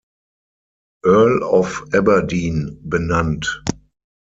Earl of Aberdeen, benannt.